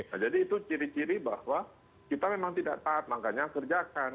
nah jadi itu ciri ciri bahwa kita memang tidak taat makanya kerjakan